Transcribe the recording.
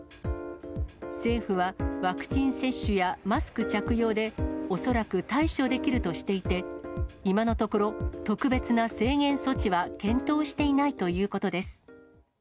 政府はワクチン接種やマスク着用で、恐らく対処できるとしていて、今のところ、特別な制限措置は検討していないということです。